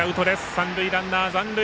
三塁ランナー、残塁。